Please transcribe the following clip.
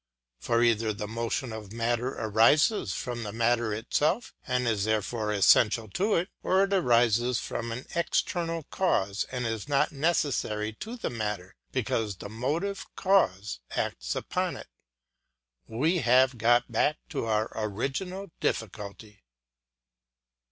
For either the motion of matter arises from the matter itself and is therefore essential to it; or it arises from an external cause and is not necessary to the matter, because the motive cause acts upon it; we have got back to our original difficulty.